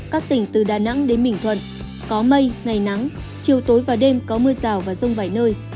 các tỉnh từ đà nẵng đến bình thuận có mây ngày nắng chiều tối và đêm có mưa rào và rông vài nơi